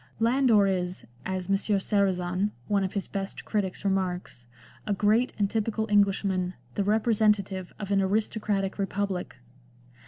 Landor is, as M. Sarrazin, one of his best critics, remarks, a great and typical Englishman, the representative of an "aristocratic republic."